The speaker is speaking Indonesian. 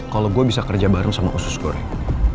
kalau gue bisa kerja bareng sama usus goreng